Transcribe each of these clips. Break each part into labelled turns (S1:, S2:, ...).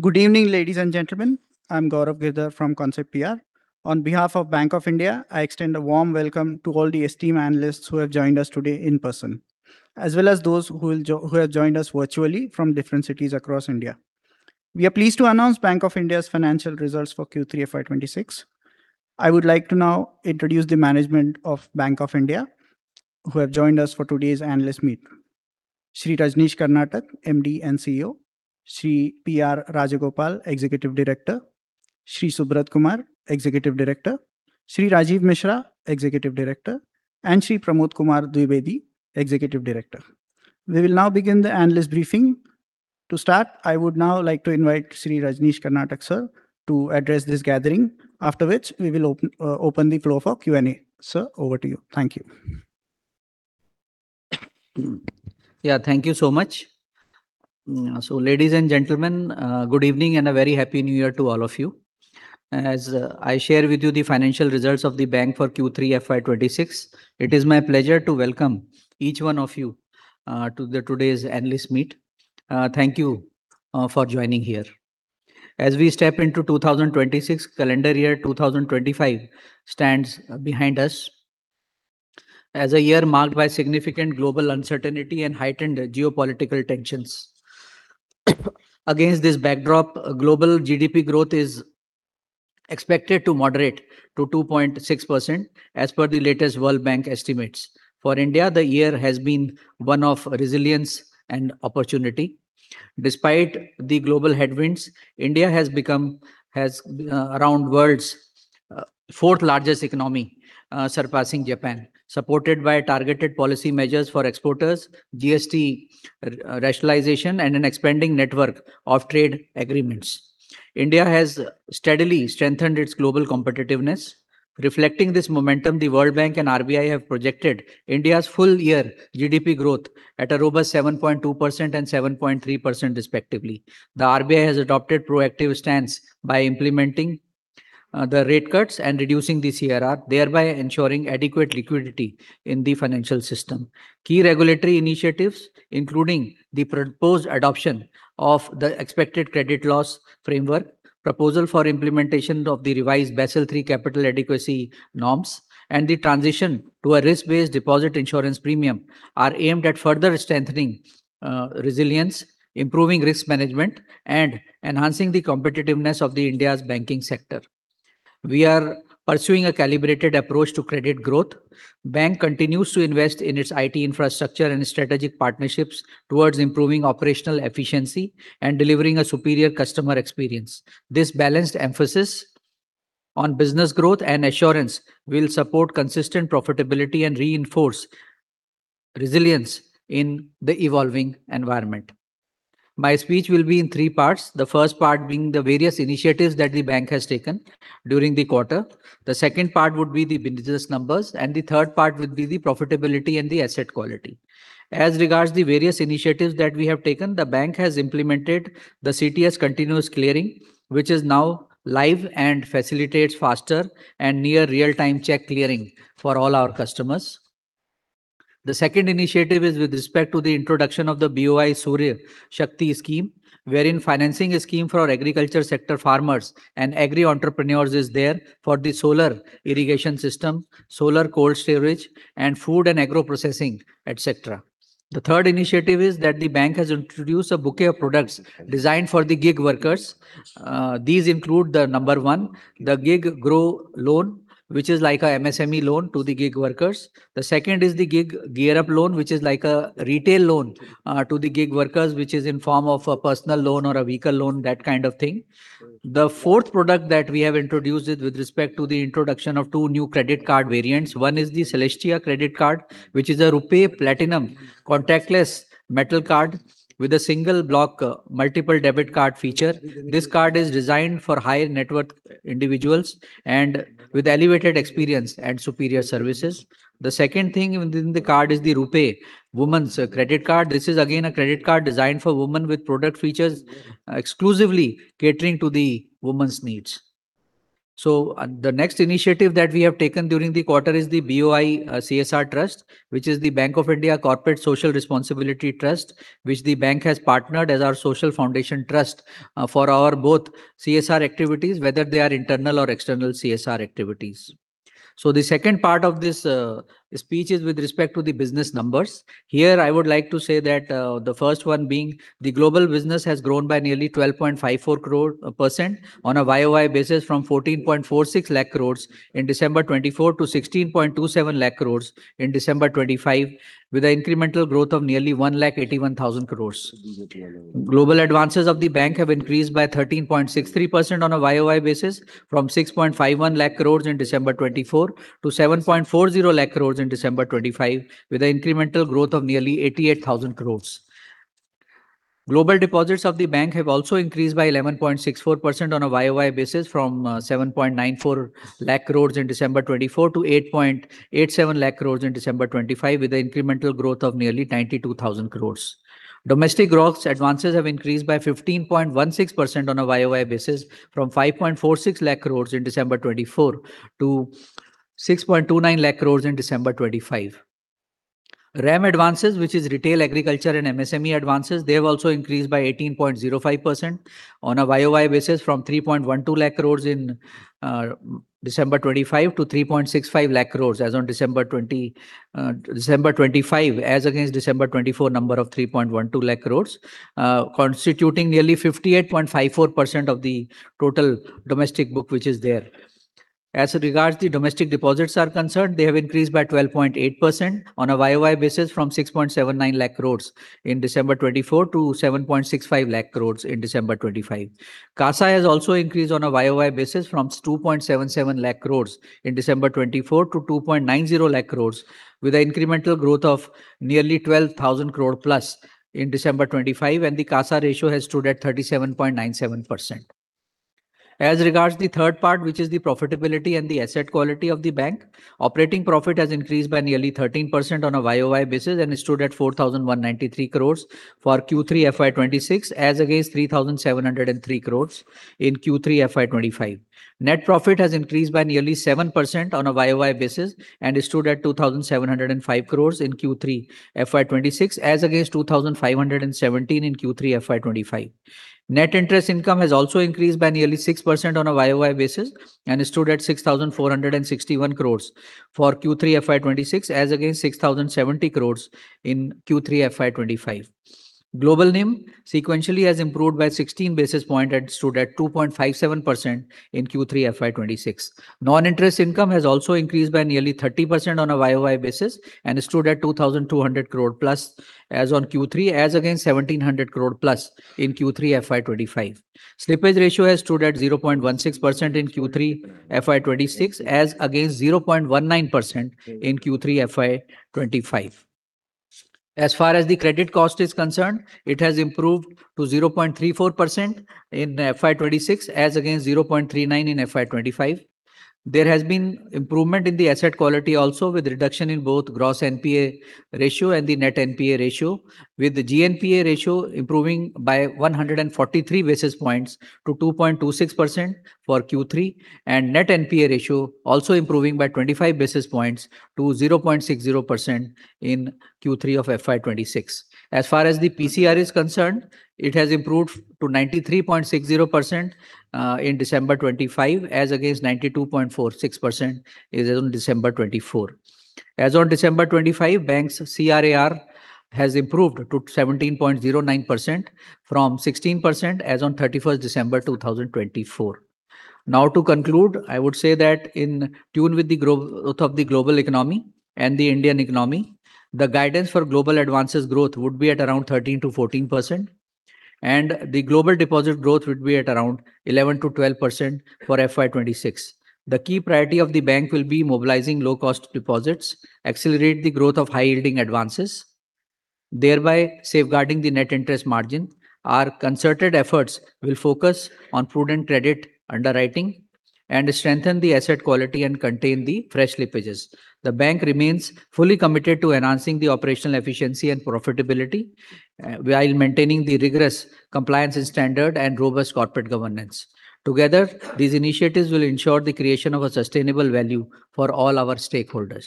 S1: Good evening, ladies and gentlemen. I'm Gaurav Girdhar from Concept PR. On behalf of Bank of India, I extend a warm welcome to all the esteemed analysts who have joined us today in person, as well as those who have joined us virtually from different cities across India. We are pleased to announce Bank of India's financial results for Q3 FY26. I would like to now introduce the management of Bank of India who have joined us for today's analyst meet: Sri Rajneesh Karnatak, MD and CEO; Sri PR Rajagopal, Executive Director; Sri Subrat Kumar, Executive Director; Sri Rajiv Mishra, Executive Director; and Sri Pramod Kumar Dwibedi, Executive Director. We will now begin the analyst briefing. To start, I would now like to invite Sri Rajneesh Karnatak, Sir, to address this gathering, after which we will open the floor for Q&A. Sir, over to you. Thank you.
S2: Yeah, thank you so much. So, ladies and gentlemen, good evening and a very happy New Year to all of you. As I share with you the financial results of the bank for Q3 FY26, it is my pleasure to welcome each one of you to today's analyst meet. Thank you for joining here. As we step into 2026, calendar year 2025 stands behind us as a year marked by significant global uncertainty and heightened geopolitical tensions. Against this backdrop, global GDP growth is expected to moderate to 2.6% as per the latest World Bank estimates. For India, the year has been one of resilience and opportunity. Despite the global headwinds, India has become around the world's fourth largest economy, surpassing Japan, supported by targeted policy measures for exporters, GST rationalization, and an expanding network of trade agreements. India has steadily strengthened its global competitiveness. Reflecting this momentum, the World Bank and RBI have projected India's full-year GDP growth at a robust 7.2% and 7.3%, respectively. The RBI has adopted a proactive stance by implementing the rate cuts and reducing the CRR, thereby ensuring adequate liquidity in the financial system. Key regulatory initiatives, including the proposed adoption of the expected credit loss framework, proposal for implementation of the revised Basel III capital adequacy norms, and the transition to a risk-based deposit insurance premium, are aimed at further strengthening resilience, improving risk management, and enhancing the competitiveness of India's banking sector. We are pursuing a calibrated approach to credit growth. The bank continues to invest in its IT infrastructure and strategic partnerships towards improving operational efficiency and delivering a superior customer experience. This balanced emphasis on business growth and assurance will support consistent profitability and reinforce resilience in the evolving environment. My speech will be in three parts. The first part being the various initiatives that the bank has taken during the quarter. The second part would be the business numbers, and the third part would be the profitability and the asset quality. As regards to the various initiatives that we have taken, the bank has implemented the CTS continuous clearing, which is now live and facilitates faster and near real-time cheque clearing for all our customers. The second initiative is with respect to the introduction of the BOI Surya Shakti scheme, wherein financing a scheme for agriculture sector farmers and agri entrepreneurs is there for the solar irrigation system, solar cold storage, and food and agro processing, etc. The third initiative is that the bank has introduced a bouquet of products designed for the gig workers. These include the number one, the Gig Grow Loan, which is like an MSME loan to the gig workers. The second is the Gig Gear Up Loan, which is like a retail loan to the gig workers, which is in the form of a personal loan or a vehicle loan, that kind of thing. The fourth product that we have introduced is with respect to the introduction of two new credit card variants. One is the Celestia Credit Card, which is a RuPay Platinum contactless metal card with a single block multiple debit card feature. This card is designed for high net worth individuals and with elevated experience and superior services. The second thing within the card is the RuPay Women's Credit Card. This is again a credit card designed for women with product features exclusively catering to the women's needs. The next initiative that we have taken during the quarter is the BOI CSR Trust, which is the Bank of India Corporate Social Responsibility Trust, which the bank has partnered as our social foundation trust for our both CSR activities, whether they are internal or external CSR activities. The second part of this speech is with respect to the business numbers. Here, I would like to say that the first one being the global business has grown by nearly 12.54% on a YoY basis from 14.46 lakh crores in December 2024 to 16.27 lakh crores in December 2025, with an incremental growth of nearly 181,000 crores. Global advances of the bank have increased by 13.63% on a YoY basis from 6.51 lakh crores in December 2024 to 7.40 lakh crores in December 2025, with an incremental growth of nearly 88,000 crores. Global deposits of the bank have also increased by 11.64% on a YoY basis from 7.94 lakh crores in December 2024 to 8.87 lakh crores in December 2025, with an incremental growth of nearly 92,000 crores. Domestic growth advances have increased by 15.16% on a YoY basis from 5.46 lakh crores in December 2024 to 6.29 lakh crores in December 2025. RAM advances, which is retail agriculture and MSME advances, they have also increased by 18.05% on a YoY basis from 3.12 lakh crores in December 2025 to 3.65 lakh crores as on December 2025, as against December 2024 number of 3.12 lakh crores, constituting nearly 58.54% of the total domestic book which is there. As regards to domestic deposits are concerned, they have increased by 12.8% on a YoY basis from 6.79 lakh crores in December 2024 to 7.65 lakh crores in December 2025. CASA has also increased on a YoY basis from 2.77 lakh crores in December 2024 to 2.90 lakh crores, with an incremental growth of nearly 12,000 crore plus in December 2025, and the CASA ratio has stood at 37.97%. As regards to the third part, which is the profitability and the asset quality of the bank, operating profit has increased by nearly 13% on a YoY basis and is stood at 4,193 crores for Q3 FY26, as against 3,703 crores in Q3 FY25. Net profit has increased by nearly 7% on a YoY basis and is stood at 2,705 crores in Q3 FY26, as against 2,517 in Q3 FY25. Net interest income has also increased by nearly 6% on a YoY basis and is stood at 6,461 crores for Q3 FY26, as against 6,070 crores in Q3 FY25. Global NIM sequentially has improved by 16 basis points and stood at 2.57% in Q3 FY26. Non-interest income has also increased by nearly 30% on a YoY basis and is stood at 2,200 crore plus as on Q3, as against 1,700 crore plus in Q3 FY25. Slippage ratio has stood at 0.16% in Q3 FY26, as against 0.19% in Q3 FY25. As far as the credit cost is concerned, it has improved to 0.34% in FY26, as against 0.39% in FY25. There has been improvement in the asset quality also, with reduction in both gross NPA ratio and the net NPA ratio, with the GNPA ratio improving by 143 basis points to 2.26% for Q3, and net NPA ratio also improving by 25 basis points to 0.60% in Q3 of FY26. As far as the PCR is concerned, it has improved to 93.60% in December 2025, as against 92.46% as of December 2024. As of December 2025, banks' CRAR has improved to 17.09% from 16% as of 31st December 2024. Now, to conclude, I would say that in tune with the growth of the global economy and the Indian economy, the guidance for global advances growth would be at around 13%-14%, and the global deposit growth would be at around 11%-12% for FY26. The key priority of the bank will be mobilizing low-cost deposits, accelerate the growth of high-yielding advances, thereby safeguarding the net interest margin. Our concerted efforts will focus on prudent credit underwriting and strengthen the asset quality and contain the fresh slippages. The bank remains fully committed to enhancing the operational efficiency and profitability while maintaining the rigorous compliance standards and robust corporate governance. Together, these initiatives will ensure the creation of a sustainable value for all our stakeholders.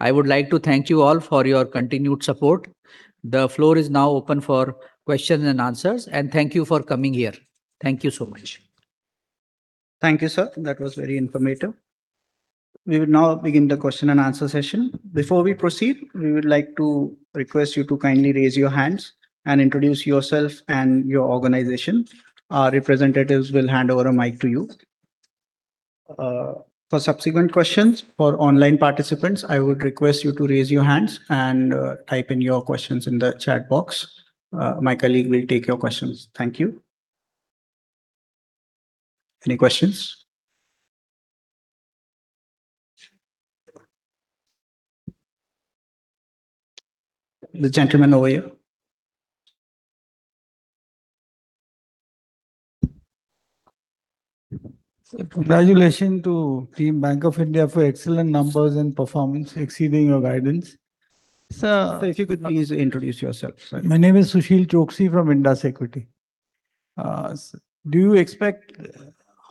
S2: I would like to thank you all for your continued support. The floor is now open for questions and answers, and thank you for coming here. Thank you so much.
S1: Thank you, sir. That was very informative. We will now begin the question and answer session. Before we proceed, we would like to request you to kindly raise your hands and introduce yourself and your organization. Our representatives will hand over a mic to you. For subsequent questions, for online participants, I would request you to raise your hands and type in your questions in the chat box. My colleague will take your questions. Thank you. Any questions? The gentleman over here.
S3: Congratulations to Team Bank of India for excellent numbers and performance exceeding your guidance.
S1: Sir, if you could please introduce yourself.
S3: My name is Sushil Choksey from Indus Equity. Do you expect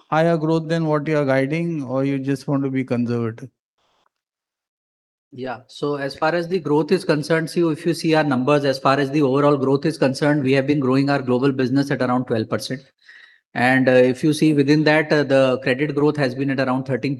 S3: higher growth than what you are guiding, or do you just want to be conservative?
S2: Yeah, so as far as the growth is concerned, if you see our numbers, as far as the overall growth is concerned, we have been growing our global business at around 12%. And if you see within that, the credit growth has been at around 13%+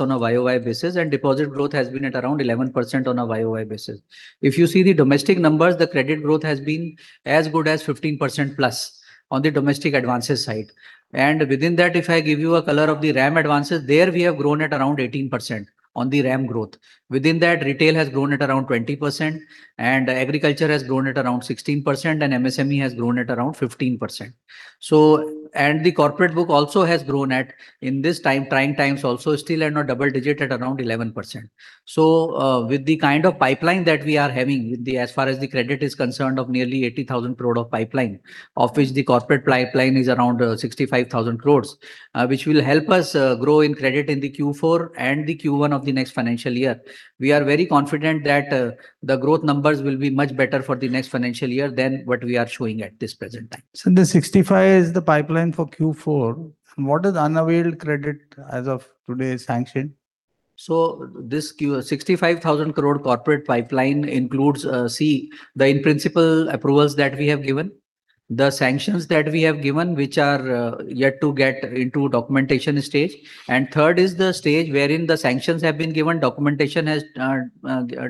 S2: on a YoY basis, and deposit growth has been at around 11% on a YoY basis. If you see the domestic numbers, the credit growth has been as good as 15%+ on the domestic advances side. And within that, if I give you a color of the RAM advances, there we have grown at around 18% on the RAM growth. Within that, retail has grown at around 20%, and agriculture has grown at around 16%, and MSME has grown at around 15%. So, and the corporate book also has grown at, in this trying times, also still at a double digit at around 11%. With the kind of pipeline that we are having, as far as the credit is concerned of nearly 80,000 crore of pipeline, of which the corporate pipeline is around 65,000 crores, which will help us grow in credit in the Q4 and the Q1 of the next financial year. We are very confident that the growth numbers will be much better for the next financial year than what we are showing at this present time.
S3: Sir, the 65 is the pipeline for Q4. What is unavailed credit as of today's sanction?
S2: This 65,000 crore corporate pipeline includes, see, the in-principle approvals that we have given, the sanctions that we have given, which are yet to get into documentation stage. Third is the stage wherein the sanctions have been given, documentation has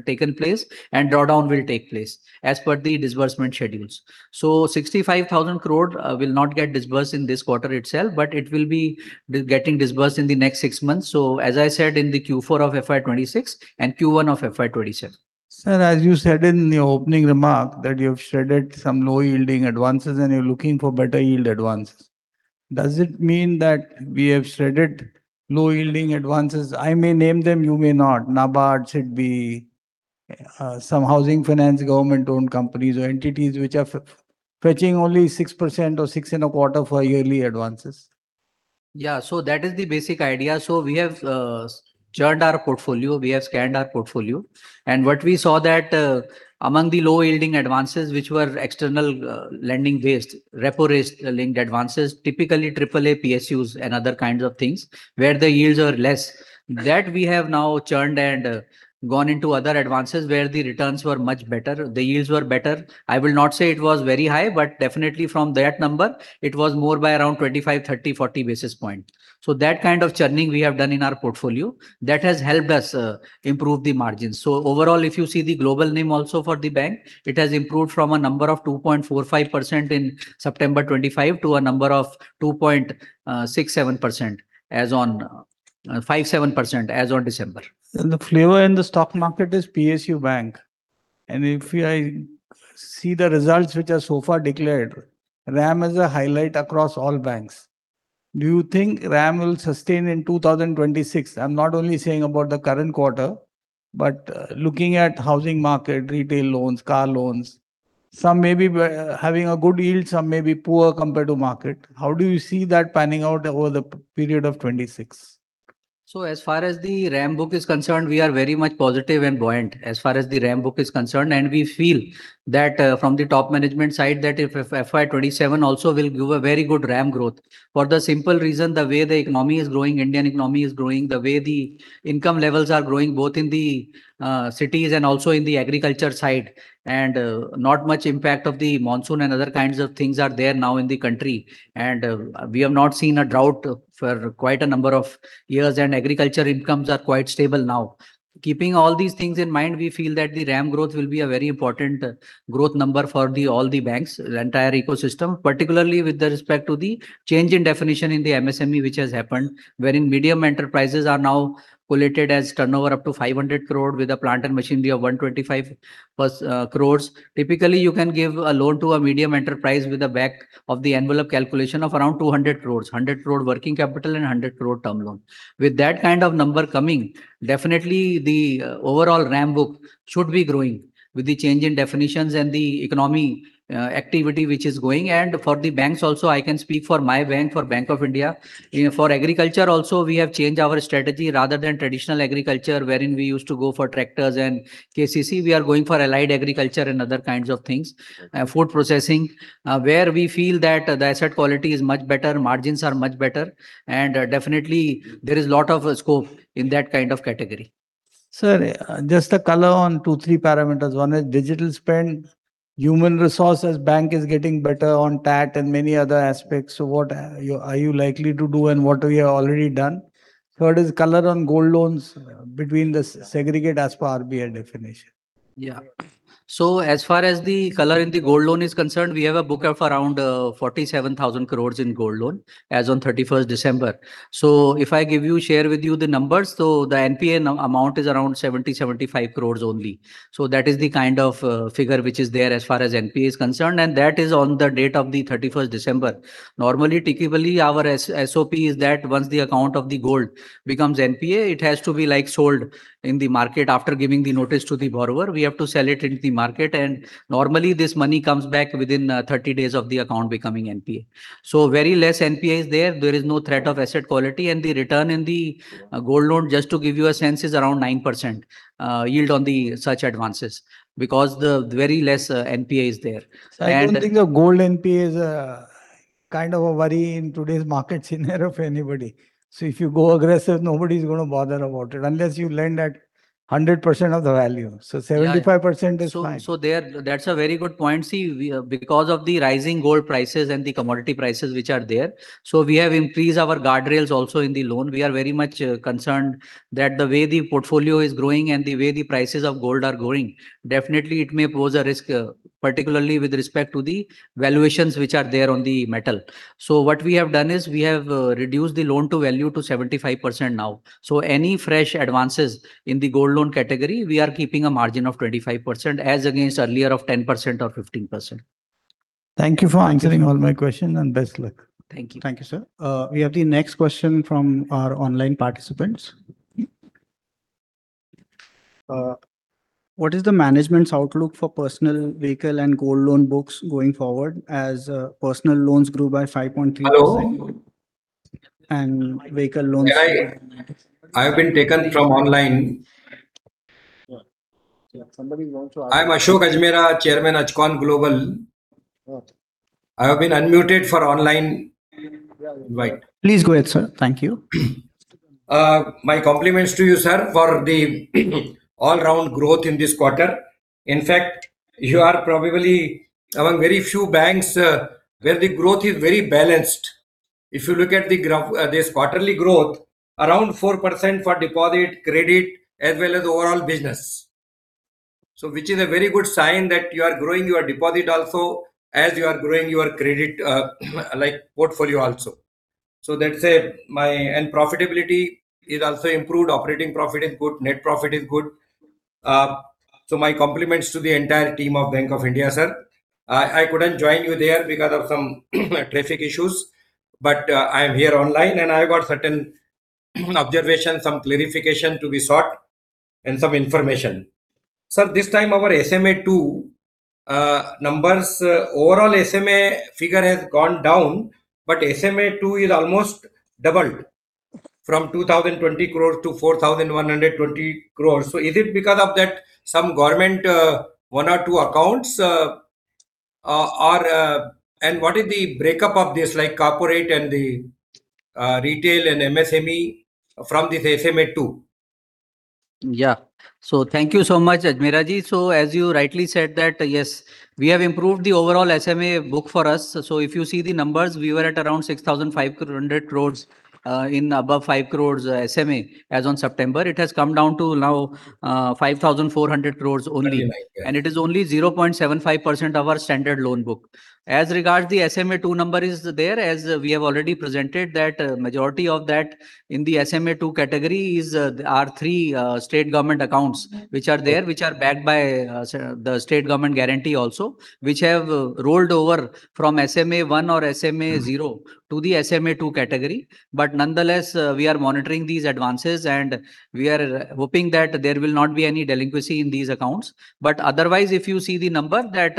S2: taken place, and drawdown will take place as per the disbursement schedules. 65,000 crore will not get disbursed in this quarter itself, but it will be getting disbursed in the next six months. As I said, in the Q4 of FY26 and Q1 of FY27.
S3: Sir, as you said in the opening remark that you have shredded some low-yielding advances and you're looking for better-yield advances, does it mean that we have shredded low-yielding advances? I may name them, you may not. NABARD, SIDBI, some housing finance government-owned companies or entities which are fetching only 6% or 6.25% for yearly advances.
S2: Yeah, so that is the basic idea. So, we have churned our portfolio, we have scanned our portfolio, and what we saw that among the low-yielding advances, which were external lending-based, repo-linked advances, typically AAA PSUs and other kinds of things where the yields are less, that we have now churned and gone into other advances where the returns were much better. The yields were better. I will not say it was very high, but definitely from that number, it was more by around 25, 30, 40 basis points. So, that kind of churning we have done in our portfolio that has helped us improve the margins. So, overall, if you see the global NIM also for the bank, it has improved from a number of 2.45% in September 2025 to a number of 2.67% as on December.
S3: The flavor in the stock market is PSU Bank. If I see the results which are so far declared, RAM is a highlight across all banks. Do you think RAM will sustain in 2026? I'm not only saying about the current quarter, but looking at housing market, retail loans, car loans, some may be having a good yield, some may be poor compared to market. How do you see that panning out over the period of 2026?
S2: So, as far as the RAM book is concerned, we are very much positive and buoyant as far as the RAM book is concerned. And we feel that from the top management side that if FY27 also will give a very good RAM growth for the simple reason, the way the economy is growing, Indian economy is growing, the way the income levels are growing both in the cities and also in the agriculture side, and not much impact of the monsoon and other kinds of things are there now in the country. And we have not seen a drought for quite a number of years, and agriculture incomes are quite stable now. Keeping all these things in mind, we feel that the RAM growth will be a very important growth number for all the banks, the entire ecosystem, particularly with respect to the change in definition in the MSME which has happened, wherein medium enterprises are now collated as turnover up to 500 crore with a plant and machinery of 125 crores. Typically, you can give a loan to a medium enterprise with a back of the envelope calculation of around 200 crores, 100 crore working capital and 100 crore term loan. With that kind of number coming, definitely the overall RAM book should be growing with the change in definitions and the economy activity which is going. And for the banks also, I can speak for my bank, for Bank of India, for agriculture also, we have changed our strategy rather than traditional agriculture wherein we used to go for tractors and KCC. We are going for allied agriculture and other kinds of things, food processing, where we feel that the asset quality is much better, margins are much better, and definitely there is a lot of scope in that kind of category.
S3: Sir, just a color on two, three parameters. One is digital spend, human resources, bank is getting better on that and many other aspects. So, what are you likely to do and what we have already done? Third is color on gold loans segregated as per RBI definition.
S2: Yeah. As far as the collateral in the gold loan is concerned, we have a book of around 47,000 crores in gold loan as on 31st December. If I give you, share with you the numbers, the NPA amount is around 70-75 crores only. That is the kind of figure which is there as far as NPA is concerned, and that is on the date of the 31st December. Normally, typically our SOP is that once the account of the gold becomes NPA, it has to be like sold in the market after giving the notice to the borrower. We have to sell it into the market, and normally this money comes back within 30 days of the account becoming NPA. Very less NPA is there. There is no threat of asset quality, and the return in the gold loan, just to give you a sense, is around 9% yield on the such advances because the very less NPA is there.
S3: Sir, I don't think a gold NPA is kind of a worry in today's market scenario for anybody. So, if you go aggressive, nobody is going to bother about it unless you lend at 100% of the value. So, 75% is fine.
S2: So, that's a very good point. See, because of the rising gold prices and the commodity prices which are there, so we have increased our guardrails also in the loan. We are very much concerned that the way the portfolio is growing and the way the prices of gold are going, definitely it may pose a risk, particularly with respect to the valuations which are there on the metal. So, what we have done is we have reduced the loan to value to 75% now. So, any fresh advances in the gold loan category, we are keeping a margin of 25% as against earlier of 10% or 15%.
S3: Thank you for answering all my questions and best luck.
S2: Thank you.
S1: Thank you, sir. We have the next question from our online participants. What is the management's outlook for personal vehicle and gold loan books going forward as personal loans grew by 5.3% and vehicle loans?
S4: I have been taken from online. I'm Ashok Ajmera, Chairman Ajcon Global. I have been unmuted for online invite.
S1: Please go ahead, sir. Thank you.
S4: My compliments to you, sir, for the all-around growth in this quarter. In fact, you are probably among very few banks where the growth is very balanced. If you look at this quarterly growth, around 4% for deposit, credit, as well as overall business, which is a very good sign that you are growing your deposit also as you are growing your credit portfolio also. So, that's it. My profitability is also improved. Operating profit is good. Net profit is good. So, my compliments to the entire team of Bank of India, sir. I couldn't join you there because of some traffic issues, but I am here online and I got certain observations, some clarification to be sought, and some information. Sir, this time our SMA2 numbers, overall SMA figure has gone down, but SMA2 is almost doubled from 2,020 crores to 4,120 crores. So, is it because of that some government one or two accounts are, and what is the breakup of this, like corporate and the retail and MSME from this SMA-2?
S2: Yeah. Thank you so much, Ajmera ji. As you rightly said, that yes, we have improved the overall SMA book for us. If you see the numbers, we were at around 6,500 crores in above 5 crores SMA as on September. It has come down to now 5,400 crores only, and it is only 0.75% of our standard loan book. As regards the SMA-2 number, there is, as we have already presented, that majority of that in the SMA-2 category are three state government accounts which are there, which are backed by the state government guarantee also, which have rolled over from SMA-1 or SMA-0 to the SMA-2 category. But nonetheless, we are monitoring these advances, and we are hoping that there will not be any delinquency in these accounts. But otherwise, if you see the number that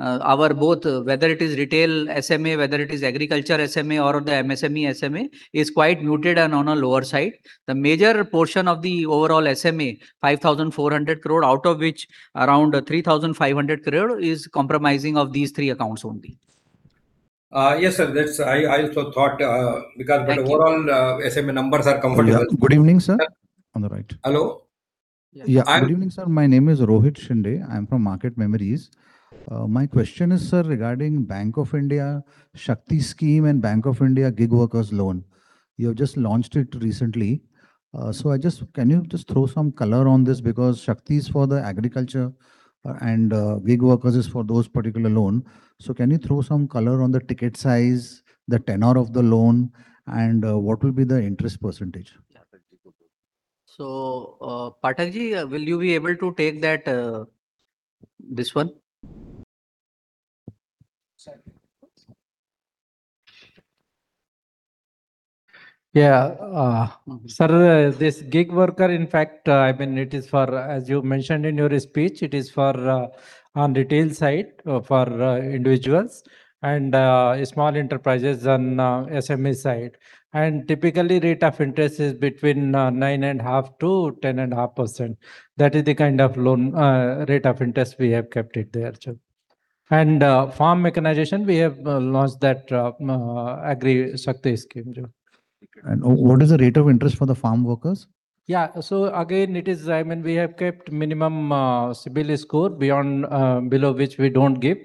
S2: our both, whether it is retail SMA, whether it is agriculture SMA or the MSME SMA, is quite muted and on a lower side. The major portion of the overall SMA, 5,400 crore, out of which around 3,500 crore is comprising of these three accounts only.
S4: Yes, sir. That's, I also thought, because but overall SMA numbers are comfortable.
S1: Good evening, sir. On the right.
S5: Hello. Yeah, good evening, sir. My name is Rohit Shinde. I'm from Market Memories. My question is, sir, regarding Bank of India Shakti scheme and Bank of India Gig Workers loan. You have just launched it recently. So, I just can you just throw some color on this because Shakti is for the agriculture and Gig Workers is for those particular loan. So, can you throw some color on the ticket size, the tenor of the loan, and what will be the interest percentage?
S2: So, Pramod ji, will you be able to take that this one?
S6: Yeah, sir, this Gig Worker, in fact, I mean, it is for, as you mentioned in your speech, it is for on retail side for individuals and small enterprises on SME side. And typically, rate of interest is between 9.5%-10.5%. That is the kind of loan rate of interest we have kept it there, sir. And farm mechanization, we have launched that Agri Shakti scheme.
S5: And what is the rate of interest for the farm workers?
S6: Yeah, so again, it is, I mean, we have kept minimum CIBIL score below which we don't give,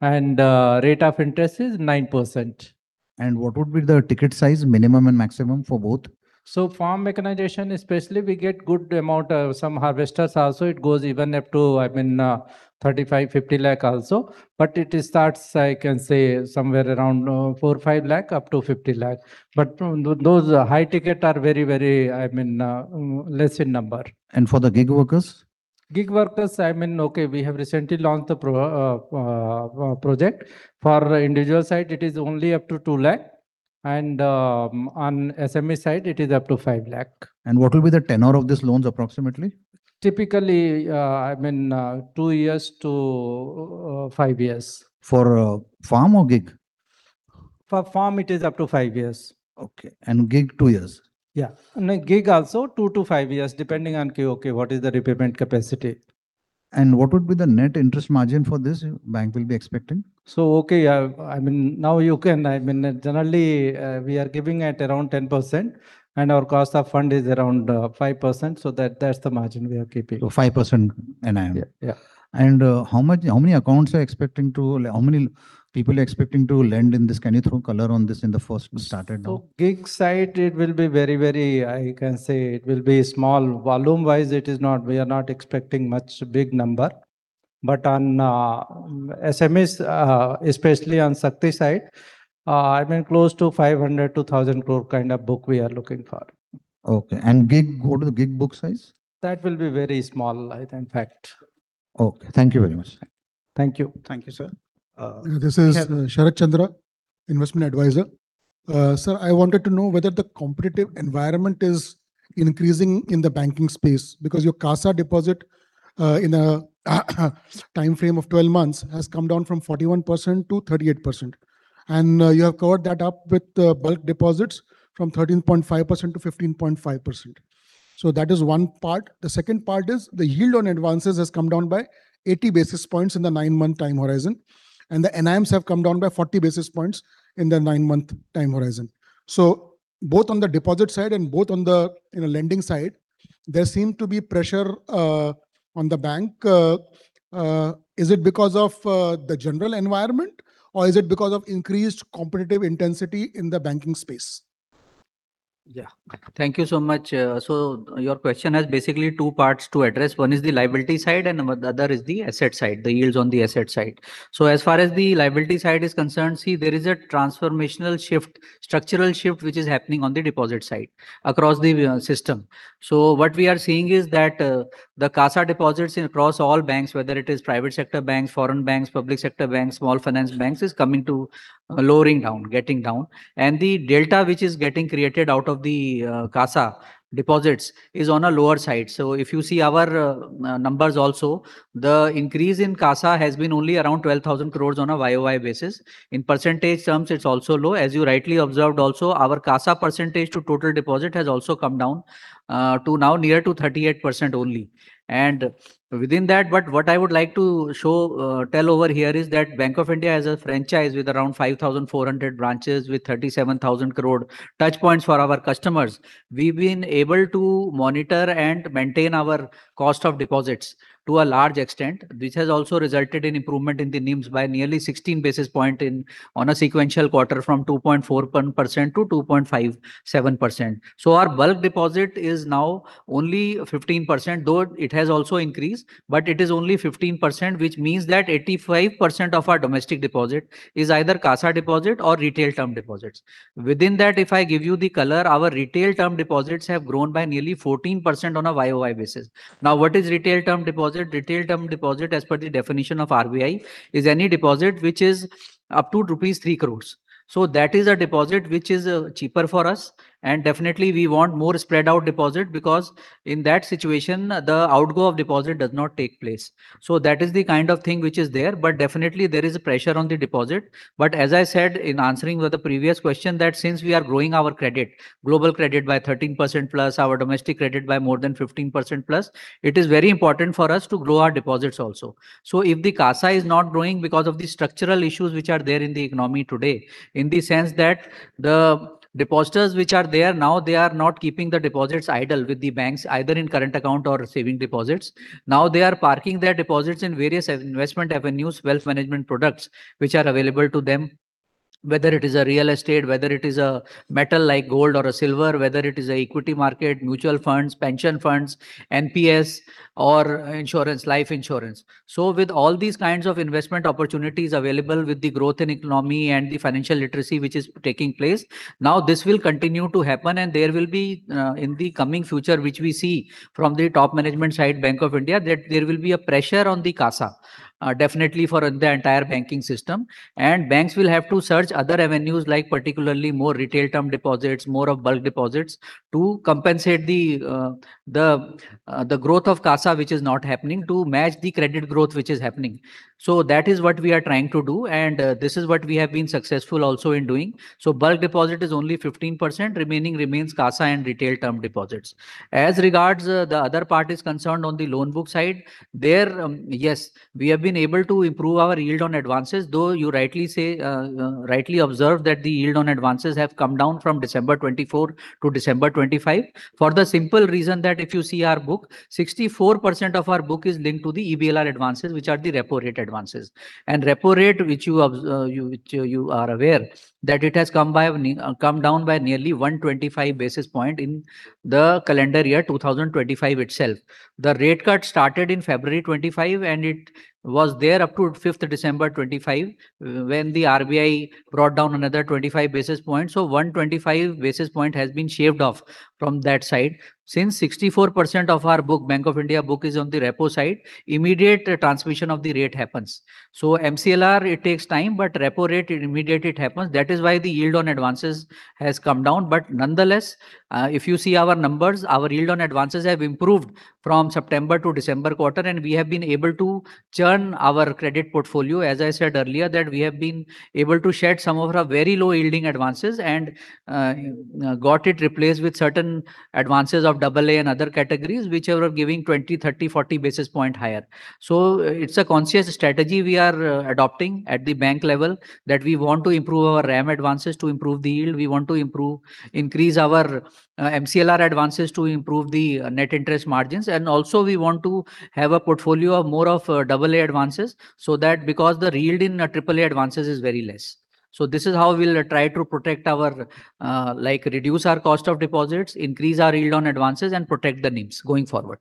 S6: and rate of interest is 9%.
S5: What would be the ticket size, minimum and maximum for both?
S6: So, farm mechanization, especially, we get good amount of some harvesters also. It goes even up to, I mean, 35 lakh-50 lakh also. But it starts, I can say, somewhere around 4 lakh-5 lakh up to 50 lakh. But those high-ticket are very, very, I mean, less in number.
S5: For the Gig Workers?
S6: Gig Workers, I mean, okay, we have recently launched the project. For individual side, it is only up to 2 lakh. And on SME side, it is up to 5 lakh.
S5: What will be the tenor of these loans approximately?
S6: Typically, I mean, two years to five years.
S5: For farm or gig?
S6: For farm, it is up to five years.
S5: Okay. And gig, two years?
S6: Yeah. Gig also, two to five years, depending on, okay, what is the repayment capacity.
S5: And what would be the net interest margin for this bank will be expecting?
S6: Okay, I mean, generally, we are giving at around 10%, and our cost of fund is around 5%. That's the margin we are keeping.
S5: 5% NIM?
S6: Yeah.
S5: How many accounts are expecting to, how many people are expecting to lend in this? Can you throw color on this in the first we started now?
S6: So, gig side, it will be very, very. I can say it will be small volume-wise. It is not. We are not expecting much big number. But on SMEs, especially on Shakti side, I mean, close to 500-1,000 crore kind of book we are looking for.
S5: Okay. And gig, what is the gig book size?
S6: That will be very small, in fact.
S5: Okay. Thank you very much.
S6: Thank you.
S1: Thank you, sir.
S7: This is Sharad Chandra, Investment Advisor. Sir, I wanted to know whether the competitive environment is increasing in the banking space because your CASA deposit in a time frame of 12 months has come down from 41%-38%, and you have covered that up with bulk deposits from 13.5%-15.5%, so that is one part. The second part is the yield on advances has come down by 80 basis points in the 9-month time horizon, and the NIMs have come down by 40 basis points in the 9-month time horizon, so both on the deposit side and both on the lending side, there seem to be pressure on the bank. Is it because of the general environment, or is it because of increased competitive intensity in the banking space?
S2: Yeah. Thank you so much. So, your question has basically two parts to address. One is the liability side, and the other is the asset side, the yields on the asset side. So, as far as the liability side is concerned, see, there is a transformational shift, structural shift which is happening on the deposit side across the system. So, what we are seeing is that the CASA deposits across all banks, whether it is private sector banks, foreign banks, public sector banks, small finance banks, is coming to lowering down, getting down. And the delta which is getting created out of the CASA deposits is on a lower side. So, if you see our numbers also, the increase in CASA has been only around 12,000 crores on a YoY basis. In percentage terms, it's also low. As you rightly observed also, our CASA percentage to total deposit has also come down to now near to 38% only. And within that, but what I would like to show, tell over here is that Bank of India has a franchise with around 5,400 branches with 37,000 crore touch points for our customers. We've been able to monitor and maintain our cost of deposits to a large extent, which has also resulted in improvement in the NIMs by nearly 16 basis points on a sequential quarter from 2.4%-2.57%. So, our bulk deposit is now only 15%, though it has also increased, but it is only 15%, which means that 85% of our domestic deposit is either CASA deposit or retail term deposits. Within that, if I give you the color, our retail term deposits have grown by nearly 14% on a YoY basis. Now, what is retail term deposit? Retail term deposit, as per the definition of RBI, is any deposit which is up to rupees 3 crores. So, that is a deposit which is cheaper for us. And definitely, we want more spread out deposit because in that situation, the outgo of deposit does not take place. So, that is the kind of thing which is there. But definitely, there is a pressure on the deposit. But as I said in answering the previous question, that since we are growing our credit, global credit by 13%+, our domestic credit by more than 15% plus, it is very important for us to grow our deposits also. If the CASA is not growing because of the structural issues which are there in the economy today, in the sense that the depositors which are there now, they are not keeping the deposits idle with the banks either in current account or savings deposits. Now, they are parking their deposits in various investment avenues, wealth management products which are available to them, whether it is a real estate, whether it is a metal like gold or a silver, whether it is an equity market, mutual funds, pension funds, NPS, or insurance, life insurance. With all these kinds of investment opportunities available with the growth in economy and the financial literacy which is taking place, now this will continue to happen. There will be in the coming future, which we see from the top management side, Bank of India, that there will be a pressure on the CASA, definitely for the entire banking system. Banks will have to search other avenues like particularly more retail term deposits, more of bulk deposits to compensate the growth of CASA, which is not happening, to match the credit growth which is happening. That is what we are trying to do. This is what we have been successful also in doing. Bulk deposit is only 15%. Remaining remains CASA and retail term deposits. As regards the other part is concerned on the loan book side, there, yes, we have been able to improve our yield on advances, though you rightly say, rightly observe that the yield on advances have come down from December 24 to December 25 for the simple reason that if you see our book, 64% of our book is linked to the EBLR advances, which are the repo rate advances, and repo rate, which you are aware that it has come down by nearly 125 basis points in the calendar year 2025 itself. The rate cut started in February 2025, and it was there up to 5th December 2025 when the RBI brought down another 25 basis points. So, 125 basis points has been shaved off from that side. Since 64% of our book, Bank of India book is on the repo side, immediate transmission of the rate happens. So, MCLR, it takes time, but repo rate, immediate it happens. That is why the yield on advances has come down. But nonetheless, if you see our numbers, our yield on advances have improved from September to December quarter, and we have been able to churn our credit portfolio. As I said earlier, that we have been able to shed some of our very low yielding advances and got it replaced with certain advances of AA and other categories, which are giving 20, 30, 40 basis points higher. So, it's a conscious strategy we are adopting at the bank level that we want to improve our RAM advances to improve the yield. We want to improve, increase our MCLR advances to improve the net interest margins. And also, we want to have a portfolio of more of AA advances so that because the yield in AAA advances is very less. This is how we'll try to protect our, like, reduce our cost of deposits, increase our yield on advances, and protect the NIMs going forward.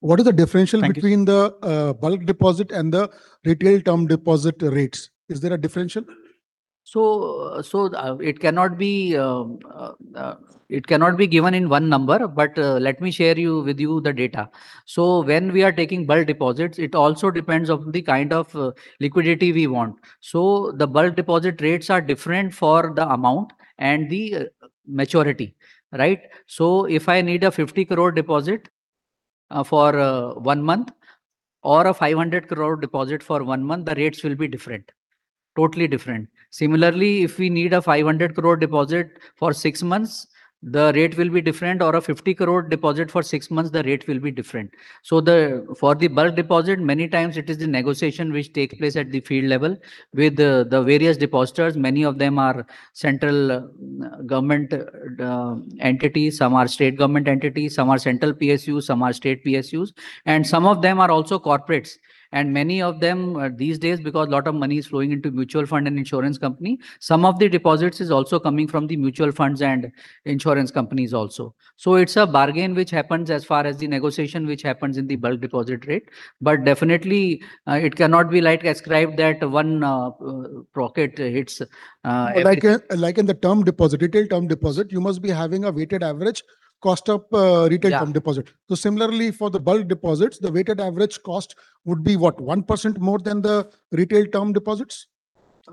S7: What is the differential between the bulk deposit and the retail term deposit rates? Is there a differential?
S2: It cannot be given in one number, but let me share with you the data. When we are taking bulk deposits, it also depends on the kind of liquidity we want. The bulk deposit rates are different for the amount and the maturity, right? If I need a 50 crore deposit for one month or a 500 crore deposit for one month, the rates will be different, totally different. Similarly, if we need a 500 crore deposit for six months, the rate will be different, or a 50 crore deposit for six months, the rate will be different. For the bulk deposit, many times it is the negotiation which takes place at the field level with the various depositors. Many of them are central government entities, some are state government entities, some are central PSUs, some are state PSUs, and some of them are also corporates. And many of them these days, because a lot of money is flowing into mutual fund and insurance company, some of the deposits is also coming from the mutual funds and insurance companies also. So, it's a bargain which happens as far as the negotiation which happens in the bulk deposit rate. But definitely, it cannot be like ascribed that one pocket hits.
S7: But like in the term deposit, retail term deposit, you must be having a weighted average cost of retail term deposit. So, similarly, for the bulk deposits, the weighted average cost would be what, 1% more than the retail term deposits?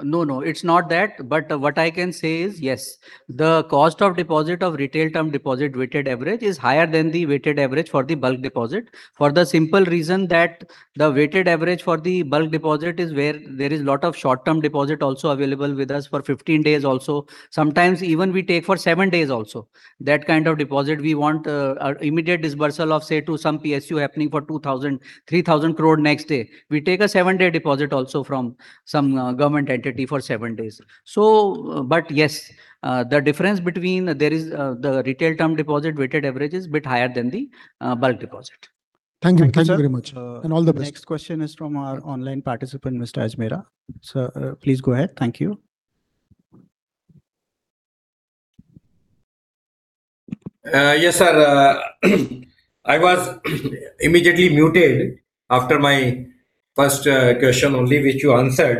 S2: No, no, it's not that. But what I can say is yes, the cost of deposit of retail term deposit weighted average is higher than the weighted average for the bulk deposit for the simple reason that the weighted average for the bulk deposit is where there is a lot of short-term deposit also available with us for 15 days also. Sometimes even we take for seven days also. That kind of deposit, we want immediate disbursal of, say, to some PSU happening for 2,000 crore, 3,000 crore next day. We take a seven-day deposit also from some government entity for seven days. So, but yes, the difference between there is the retail term deposit weighted average is a bit higher than the bulk deposit.
S7: Thank you. Thank you very much. And all the best.
S1: Next question is from our online participant, Mr. Ajmera. Sir, please go ahead. Thank you.
S4: Yes, sir. I was immediately muted after my first question only, which you answered.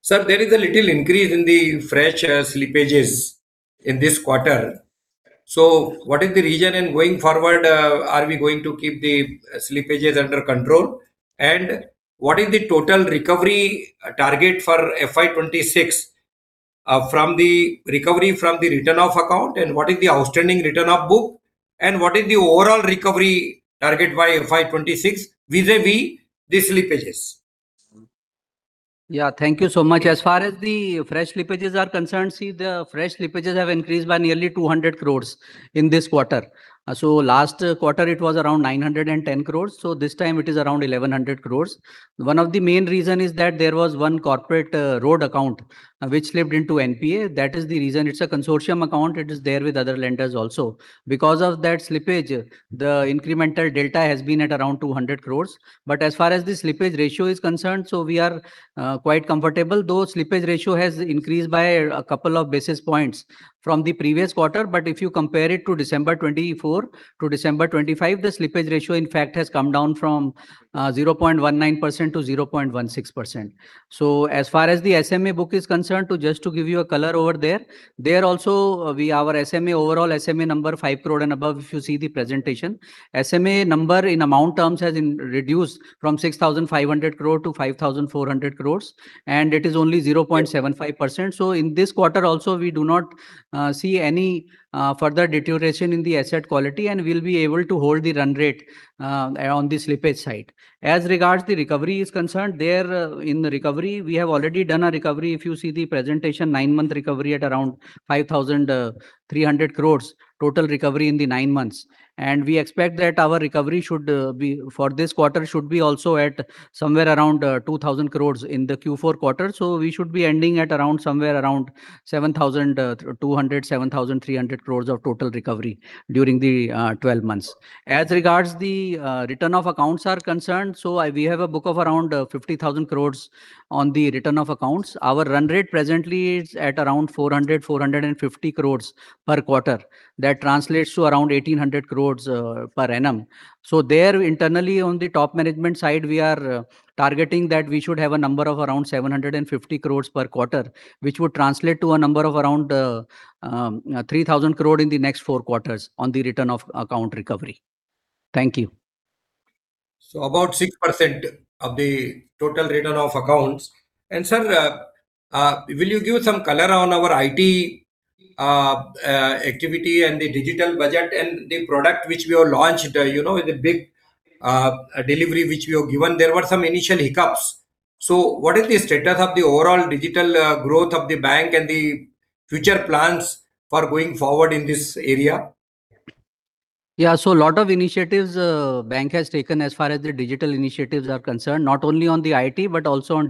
S4: Sir, there is a little increase in the fresh slippages in this quarter. So, what is the reason? And going forward, are we going to keep the slippages under control? And what is the total recovery target for FY26 from the recovery from the written-of account? And what is the outstanding written-off book? And what is the overall recovery target by FY26 vis-à-vis the slippages?
S2: Yeah, thank you so much. As far as the fresh slippages are concerned, see, the fresh slippages have increased by nearly 200 crores in this quarter. So, last quarter, it was around 910 crores. So, this time, it is around 1,100 crores. One of the main reasons is that there was one corporate loan account which slipped into NPA. That is the reason. It's a consortium account. It is there with other lenders also. Because of that slippage, the incremental delta has been at around 200 crores. But as far as the slippage ratio is concerned, so we are quite comfortable. Though slippage ratio has increased by a couple of basis points from the previous quarter. But if you compare it to December 2024 to December 2025, the slippage ratio, in fact, has come down from 0.19% to 0.16%. As far as the SMA book is concerned, just to give you a color over there, there also, our SMA, overall SMA number 5 crore and above, if you see the presentation, SMA number in amount terms has reduced from 6,500 crore to 5,400 crores. And it is only 0.75%. In this quarter also, we do not see any further deterioration in the asset quality and will be able to hold the run rate on the slippage side. As regards the recovery is concerned, there in the recovery, we have already done a recovery. If you see the presentation, nine-month recovery at around 5,300 crores, total recovery in the nine months. We expect that our recovery should be for this quarter should be also at somewhere around 2,000 crores in the Q4 quarter. We should be ending at around somewhere around 7,200-7,300 crores of total recovery during the 12 months. As regards the written-of account are concerned, we have a book of around 50,000 crores on the written-of account. Our run rate presently is at around 400-450 crores per quarter. That translates to around 1,800 crores per annum. There internally on the top management side, we are targeting that we should have a number of around 750 crores per quarter, which would translate to a number of around 3,000 crore in the next four quarters on the written-of account recovery. Thank you.
S4: So, about 6% of the total retail accounts. And sir, will you give some color on our IT activity and the digital budget and the product which we have launched, you know, with the big delivery which we have given, there were some initial hiccups. So, what is the status of the overall digital growth of the bank and the future plans for going forward in this area?
S2: Yeah, so a lot of initiatives bank has taken as far as the digital initiatives are concerned, not only on the IT, but also on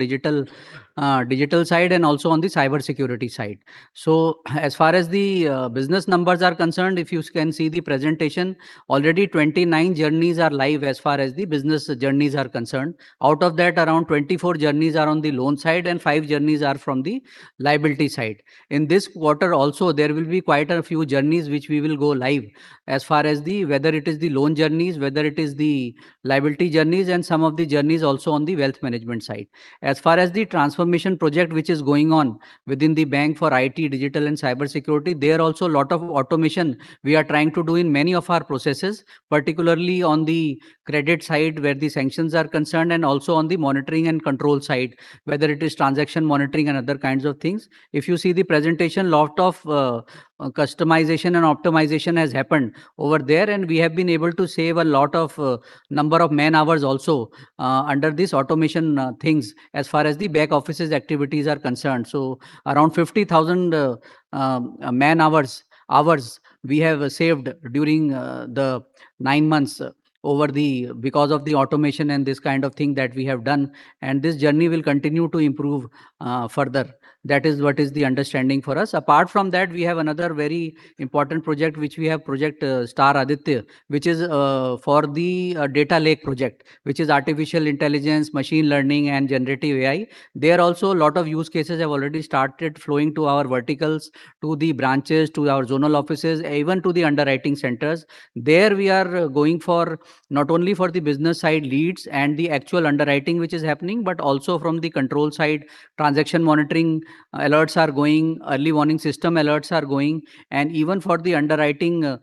S2: digital side and also on the cyber security side. So, as far as the business numbers are concerned, if you can see the presentation, already 29 journeys are live as far as the business journeys are concerned. Out of that, around 24 journeys are on the loan side and five journeys are from the liability side. In this quarter also, there will be quite a few journeys which we will go live as far as whether it is the loan journeys, whether it is the liability journeys, and some of the journeys also on the wealth management side. As far as the transformation project which is going on within the bank for IT, digital, and cyber security, there are also a lot of automation we are trying to do in many of our processes, particularly on the credit side where the sanctions are concerned and also on the monitoring and control side, whether it is transaction monitoring and other kinds of things. If you see the presentation, a lot of customization and optimization has happened over there, and we have been able to save a lot of number of man hours also under these automation things as far as the back office's activities are concerned. So, around 50,000 man hours we have saved during the nine months because of the automation and this kind of thing that we have done. And this journey will continue to improve further. That is what is the understanding for us. Apart from that, we have another very important project which we have Project Star Aditya, which is for the Data Lake project, which is artificial intelligence, machine learning, and Generative AI. There are also a lot of use cases have already started flowing to our verticals, to the branches, to our zonal offices, even to the underwriting centers. There we are going for not only for the business side leads and the actual underwriting which is happening, but also from the control side, transaction monitoring alerts are going, early warning system alerts are going. And even for the underwriting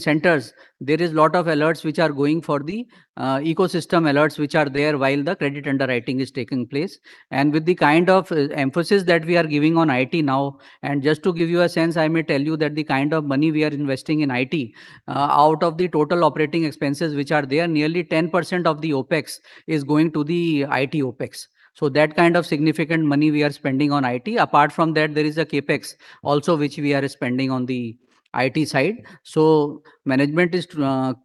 S2: centers, there is a lot of alerts which are going for the ecosystem alerts which are there while the credit underwriting is taking place. And with the kind of emphasis that we are giving on IT now, and just to give you a sense, I may tell you that the kind of money we are investing in IT, out of the total operating expenses which are there, nearly 10% of the OpEx is going to the IT OpEx. So that kind of significant money we are spending on IT. Apart from that, there is a CapEx also which we are spending on the IT side. So management is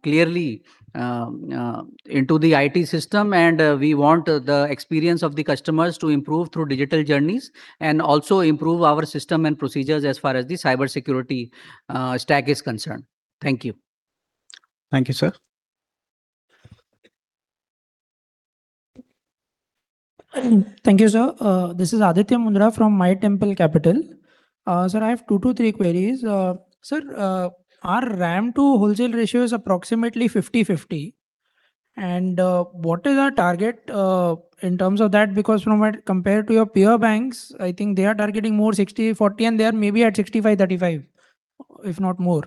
S2: clearly into the IT system, and we want the experience of the customers to improve through digital journeys and also improve our system and procedures as far as the cyber security stack is concerned. Thank you.
S8: Thank you, sir. Thank you, sir. This is Aditya Mundra from My Temple Capital. Sir, I have two to three queries. Sir, our RAM to wholesale ratio is approximately 50%-50%, and what is our target in terms of that? Because compared to your peer banks, I think they are targeting more 60%-40%, and they are maybe at 65%-35%, if not more.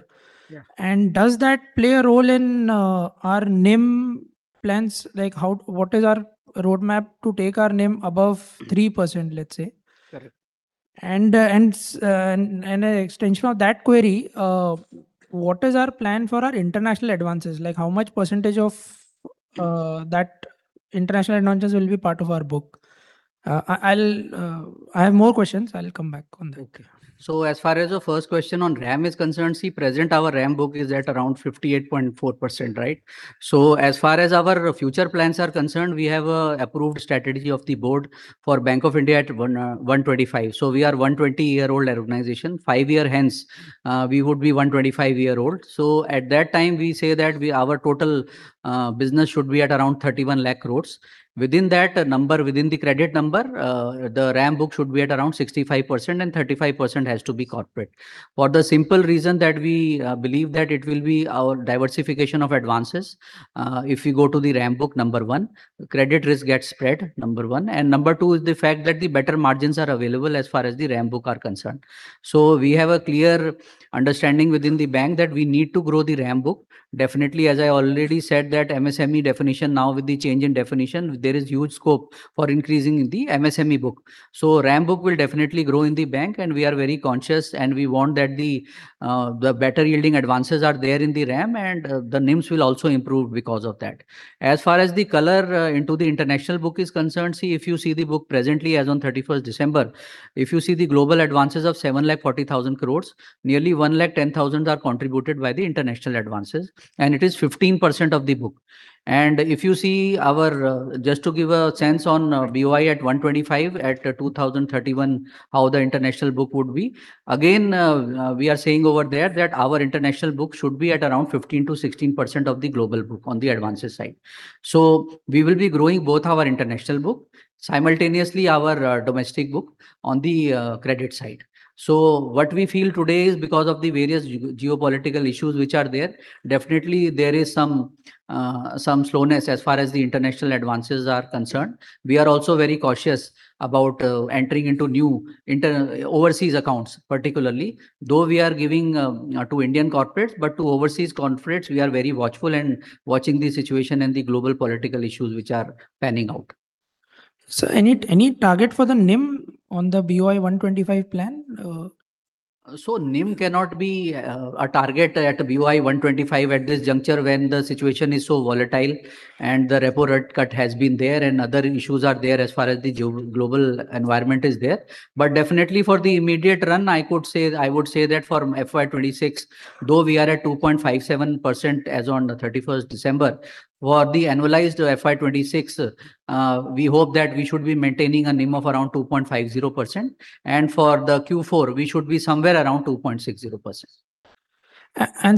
S8: And does that play a role in our NIM plans? Like what is our roadmap to take our NIM above 3%, let's say? And in extension of that query, what is our plan for our international advances? Like how much percentage of that international advances will be part of our book? I have more questions. I'll come back on that.
S2: Okay. So as far as the first question on RAM is concerned, see, presently our RAM book is at around 58.4%, right? So as far as our future plans are concerned, we have an approved strategy of the board for Bank of India at 125. So we are a 120-year-old organization. Five years hence, we would be 125 years old. So at that time, we say that our total business should be at around 31 lakh crores. Within that number, within the credit number, the RAM book should be at around 65%, and 35% has to be corporate. For the simple reason that we believe that it will be our diversification of advances. If you go to the RAM book, number one, credit risk gets spread, number one. And number two is the fact that the better margins are available as far as the RAM book are concerned. So we have a clear understanding within the bank that we need to grow the RAM book. Definitely, as I already said, that MSME definition now with the change in definition, there is huge scope for increasing the MSME book. So RAM book will definitely grow in the bank, and we are very conscious, and we want that the better yielding advances are there in the RAM, and the NIMs will also improve because of that. As far as the color into the international book is concerned, see, if you see the book presently as on 31st December, if you see the global advances of 740,000 crores, nearly 110,000 crores are contributed by the international advances, and it is 15% of the book. If you see our, just to give a sense on BOI at 125 at 2031, how the international book would be. Again, we are saying over there that our international book should be at around 15%-16% of the global book on the advances side. So we will be growing both our international book simultaneously, our domestic book on the credit side. So what we feel today is because of the various geopolitical issues which are there, definitely there is some slowness as far as the international advances are concerned. We are also very cautious about entering into new overseas accounts, particularly, though we are giving to Indian corporates, but to overseas corporates, we are very watchful and watching the situation and the global political issues which are panning out.
S8: Sir, any target for the NIM on the BOI 125 plan?
S2: So NIM cannot be a target at BOI, 1.25% at this juncture when the situation is so volatile and the repo rate cut has been there and other issues are there as far as the global environment is there. But definitely for the immediate run, I would say that for FY26, though we are at 2.57% as on the 31st December, for the annualized FY26, we hope that we should be maintaining a NIM of around 2.50%. And for the Q4, we should be somewhere around 2.60%.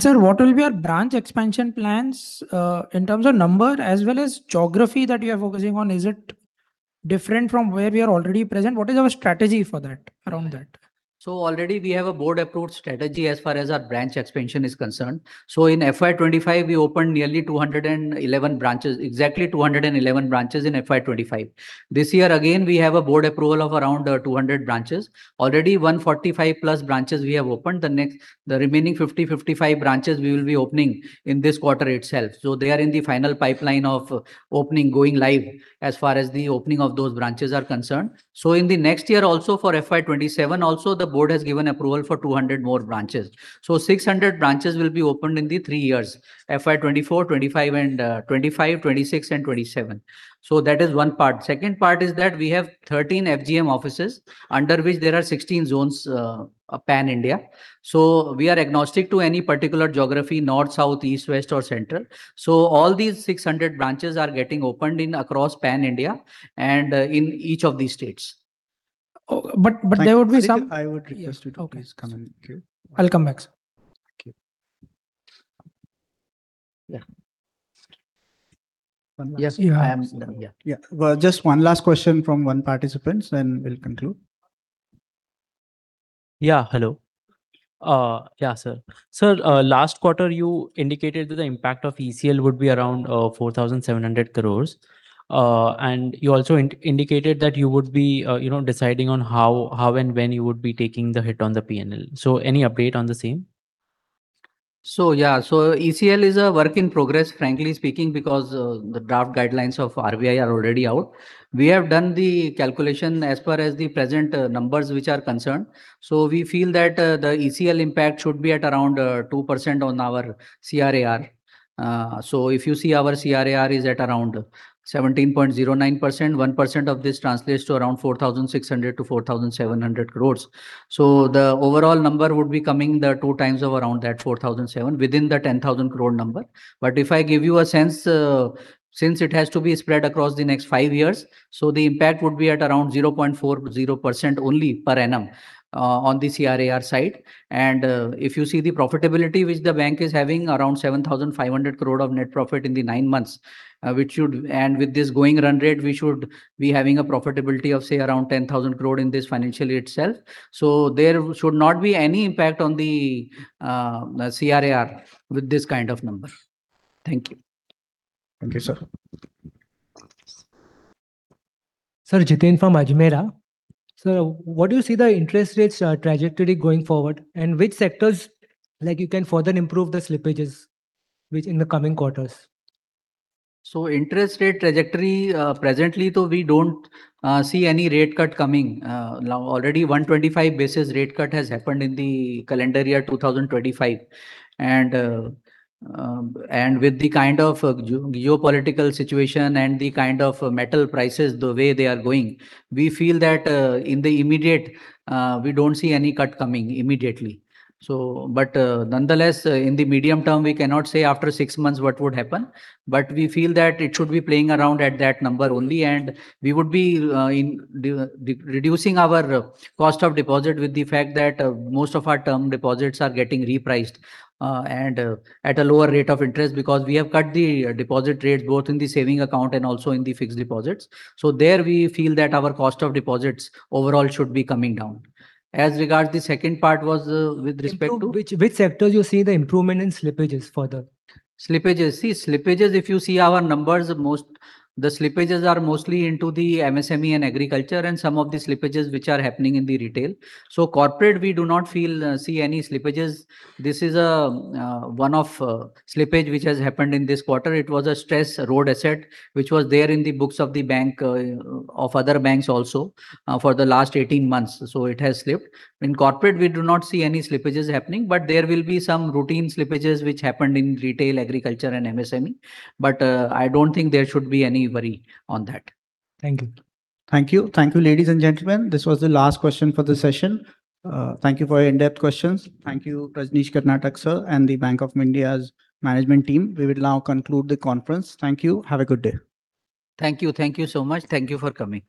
S8: Sir, what will be our branch expansion plans in terms of number as well as geography that you are focusing on? Is it different from where we are already present? What is our strategy for that around that?
S2: Already we have a board-approved strategy as far as our branch expansion is concerned. In FY25, we opened nearly 211 branches, exactly 211 branches in FY25. This year, again, we have a board approval of around 200 branches. Already 145+ branches we have opened. The remaining 50-55 branches we will be opening in this quarter itself. So they are in the final pipeline of opening, going live as far as the opening of those branches are concerned. In the next year also for FY27, also the board has given approval for 200 more branches. So 600 branches will be opened in the three years: FY24, FY25, FY26, and FY27. That is one part. Second part is that we have 13 FGM offices under which there are 16 zones pan-India. We are agnostic to any particular geography: north, south, east, west, or center. All these 600 branches are getting opened across pan-India and in each of these states.
S8: But there would be some.
S1: I would request you to please come in.
S8: I'll come back, sir. Yeah.
S2: Yes, I am. Yeah.
S1: Just one last question from one participant, then we'll conclude.
S9: Yeah, hello. Yeah, sir. Sir, last quarter, you indicated that the impact of ECL would be around 4,700 crores. And you also indicated that you would be deciding on how and when you would be taking the hit on the P&L. So any update on the same?
S2: So yeah, so ECL is a work in progress, frankly speaking, because the draft guidelines of RBI are already out. We have done the calculation as far as the present numbers which are concerned. So we feel that the ECL impact should be at around 2% on our CRAR. So if you see our CRAR is at around 17.09%, 1% of this translates to around 4,600-4,700 crores. So the overall number would be coming the two times of around that 4,007 within the 10,000 crore number. But if I give you a sense, since it has to be spread across the next five years, so the impact would be at around 0.40% only per annum on the CRAR side. And if you see the profitability which the bank is having, around 7,500 crore of net profit in the nine months, which should, and with this going run rate, we should be having a profitability of, say, around 10,000 crore in this financial itself. So there should not be any impact on the CRAR with this kind of number. Thank you.
S9: Thank you, sir.
S10: Sir, Jitin from Ajcon. Sir, what do you see the interest rate trajectory going forward and which sectors like you can further improve the slippages in the coming quarters?
S2: Interest rate trajectory presently, we don't see any rate cut coming. Already 125 basis points rate cut has happened in the calendar year 2025. With the kind of geopolitical situation and the kind of metal prices, the way they are going, we feel that in the immediate, we don't see any cut coming immediately. Nonetheless, in the medium term, we cannot say after six months what would happen. We feel that it should be playing around at that number only. We would be reducing our cost of deposit with the fact that most of our term deposits are getting repriced and at a lower rate of interest because we have cut the deposit rates both in the savings account and also in the fixed deposits. There we feel that our cost of deposits overall should be coming down. As regards the second part was with respect to.
S10: Which sectors you see the improvement in slippages further?
S2: Slippages, if you see our numbers, the slippages are mostly into the MSME and agriculture and some of the slippages which are happening in the retail. Corporate, we do not see any slippages. This is one of slippage which has happened in this quarter. It was a stressed road asset which was there in the books of the bank of other banks also for the last 18 months. It has slipped. In corporate, we do not see any slippages happening, but there will be some routine slippages which happened in retail, agriculture, and MSME. But I don't think there should be any worry on that.
S1: Thank you. Thank you. Thank you, ladies and gentlemen. This was the last question for the session. Thank you for your in-depth questions. Thank you, Rajneesh Karnatak sir and the Bank of India's management team. We will now conclude the conference. Thank you. Have a good day.
S2: Thank you. Thank you so much. Thank you for coming.